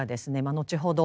後ほど